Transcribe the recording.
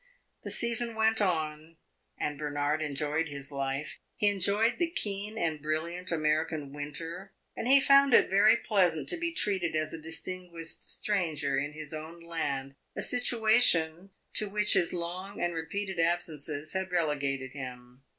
The season went on, and Bernard enjoyed his life. He enjoyed the keen and brilliant American winter, and he found it very pleasant to be treated as a distinguished stranger in his own land a situation to which his long and repeated absences had relegated him.